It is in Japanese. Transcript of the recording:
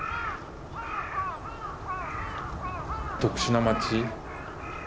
特殊な町。